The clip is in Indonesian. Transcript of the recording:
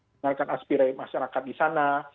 mereka akan aspirasi masyarakat di sana